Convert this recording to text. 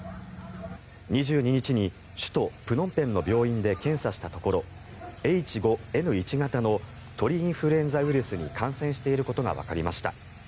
２２日に首都プノンペンの病院で検査したところＨ５Ｎ１型の鳥インフルエンザウイルスに感染していることがわかりました。